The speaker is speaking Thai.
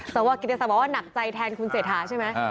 สวกิติศักดิ์บอกว่าหนักใจแทนคุณเศรษฐาใช่ไหม